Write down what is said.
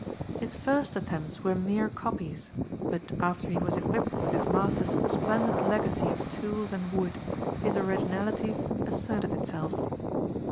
His first attempts were mere copies, but after he was equipped with his master's splendid legacy of tools and wood, his originality asserted itself.